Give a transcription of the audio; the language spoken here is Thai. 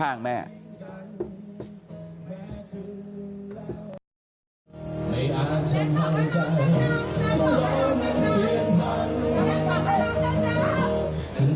อย่างสำหรับใครก็ต้องลองเปลี่ยนมัน